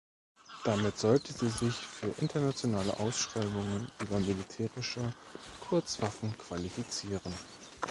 Damit sollte sie sich für internationale Ausschreibungen über militärische Kurzwaffen qualifizieren.